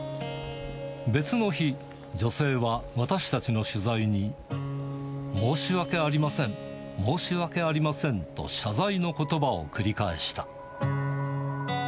別の日、女性は私たちの取材に、申し訳ありません、申し訳ありませんと、謝罪のことばを繰り返した。